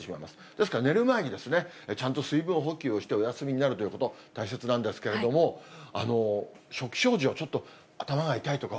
ですから寝る前にちゃんと水分補給をしてお休みになるということ、大切なんですけれども、初期症状、ちょっと頭が痛いとか、